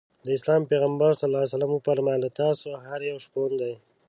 د اسلام پیغمبر ص وفرمایل له تاسو هر یو شپون دی.